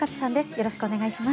よろしくお願いします。